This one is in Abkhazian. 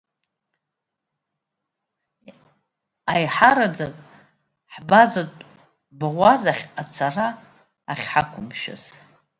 Аиҳараӡак ҳбазатә баӷәазахь ацара ахьҳақәымшәаз.